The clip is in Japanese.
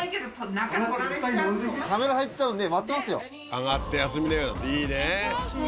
「上がって休みなよ」っていいね。